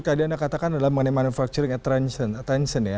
kadang anda katakan adalah money manufacturing attention ya